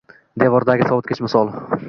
devordagi sovitkich misol